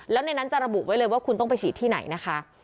แล้วในนั้นจะระบุไว้เลยว่าคุณต้องไปฉีดที่ไหนนะคะ